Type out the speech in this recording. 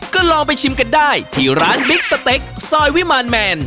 ก็ลองไปชิมกันได้ที่ร้านบิ๊กสเต็กซอยวิมารแมน